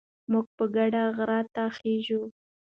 موږ په ګډه غره ته خېژو.